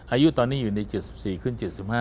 อายุตอนนี้อยู่ใน๗๔ขึ้น๗๕